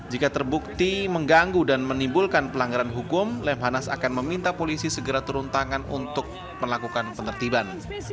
jika terbukti mengganggu dan menimbulkan pelanggaran hukum lemhanas akan meminta polisi segera turun tangan untuk melakukan penertiban